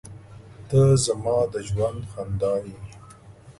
• ته زما د ژوند خندا یې.